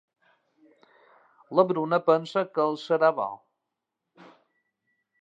La Bruna pensa que els serà bo.